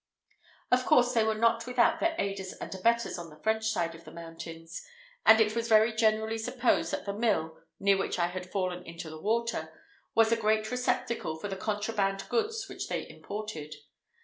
Of course they were not without their aiders and abettors on the French side of the mountains; and it was very generally supposed that the mill, near which I had fallen into the water, was a great receptacle for the contraband goods which they imported.